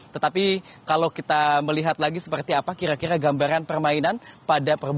tetapi kalau kita melihat lagi seperti apa kira kira gambaran permainan pada perbandingan